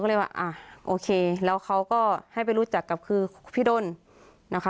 ก็เลยว่าอ่ะโอเคแล้วเขาก็ให้ไปรู้จักกับคือพี่ดนนะคะ